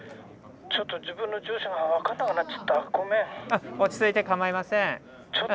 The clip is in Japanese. うん落ち着いてかまいません。